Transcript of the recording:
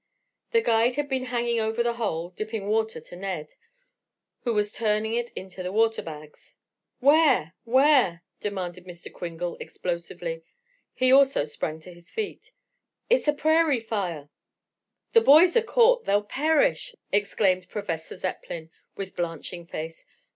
The guide had been hanging over the hole, dipping water to Ned, who was turning it into the water bags. "Where, where?" demanded Mr. Kringle explosively. He also sprang to his feet. "It's a prairie fire!" "The boys are caught. They'll perish!" exclaimed Professor Zepplin, with blanching face.